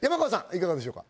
いかがでしょうか？